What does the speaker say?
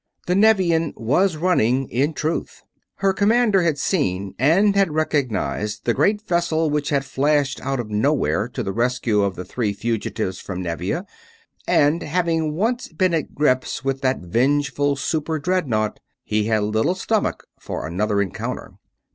The Nevian was running, in truth. Her commander had seen and had recognized the great vessel which had flashed out of nowhere to the rescue of the three fugitives from Nevia; and, having once been at grips with that vengeful super dreadnaught, he had little stomach for another encounter.